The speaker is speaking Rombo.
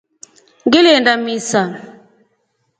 Ngilinda misa.